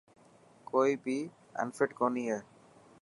ڪوئي بي انفٽ ڪوني هي.